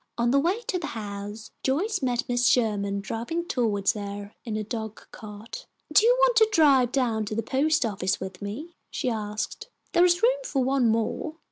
On the way to the house, Joyce met Mrs. Sherman driving toward her in a dog cart. "Do you want to drive down to the post office with me?" she asked. "There is room for one more."